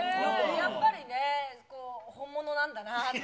やっぱりね、本物なんだなって。